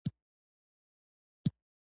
په دو شپاړسو کالو کې يې د زوى غم نه وي هېر کړى.